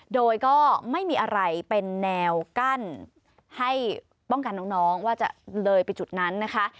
โดยก็ไม่มีอะไรเป็นแนวกั้นให้ป้องกันน้องว่าจะเลยไปจุดนั้นนะคะ